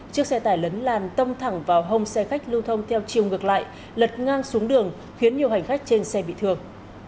chiếc xe tải lấn làn tông thẳng vào hông xe khách lưu thông theo chiều ngược lại lật ngang xuống đường khiến nhiều hành khách trên xe bị thương